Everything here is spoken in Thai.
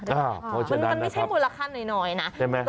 มันก็ไม่ใช่มูลค่าหน่อยนะ